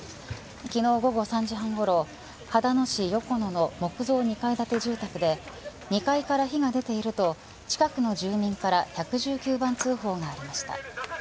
昨日午後３時半ごろ秦野市横野の木造２階建て住宅で２階から火が出ていると近くの住民から１１９番通報がありました。